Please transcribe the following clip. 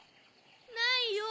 ないよ。